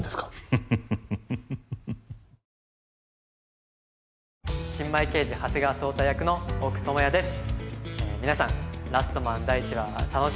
フフフフフフ新米刑事長谷川壮太役の奥智哉です